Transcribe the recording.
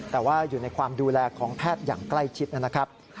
แต่ว่าอยู่ในความดูแลของแพทย์อย่างใกล้ชิดนะครับ